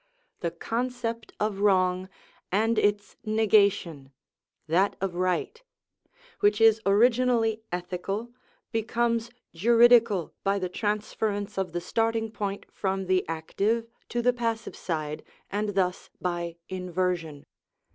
The concept of wrong and its negation, that of right, which is originally ethical, becomes juridical by the transference of the starting point from the active to the passive side, and thus by inversion.